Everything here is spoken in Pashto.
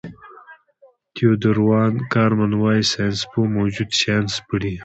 تیودور وان کارمن وايي ساینسپوه موجود شیان سپړي.